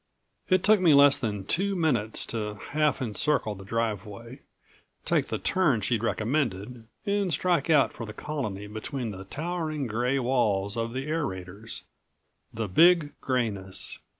It took me less than two minutes to half encircle the driveway, take the turn she'd recommended and strike out for the Colony between the towering gray walls of the aerators. The Big Grayness.